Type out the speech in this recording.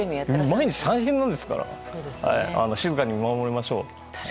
毎日大変なんですから静かに見守りましょう。